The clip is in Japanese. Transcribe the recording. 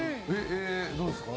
どうですか？